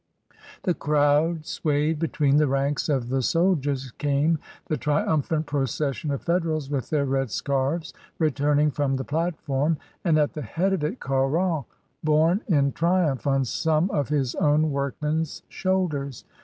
The crowd swayed. Between the ranks of the soldiers came the triumphant procession of Federals with their red scarves, returning from the platform, and at the head of it Caron borne in triumph on some of his own workmen's shoulders.